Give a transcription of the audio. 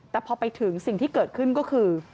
แต่พอไปถึงสิ่งที่เกิดขึ้นก็คือ